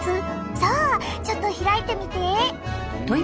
そうちょっと開いてみて。